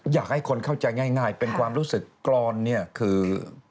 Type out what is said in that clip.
อยากให้คนเข้าใจง่ายเป็นความรู้สึกกรอนเนี่ยคือ